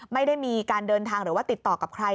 ไม่ได้มีการเดินทางหรือว่าติดต่อกับใคร